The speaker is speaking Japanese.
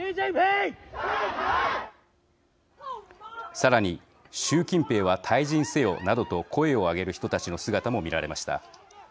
さらに「習近平は退陣せよ」などと声を上げる人たちの姿も見られました。